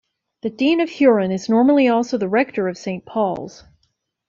The dean of Huron is normally also the rector of Saint Pauls.